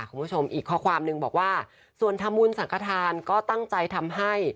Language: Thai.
คุณผู้ชมอีกข้อความนึงบอกว่าส่วนทำบุญสังกฐานก็ตั้งใจทำให้